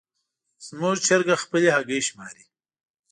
زموږ چرګه خپلې هګۍ شماري.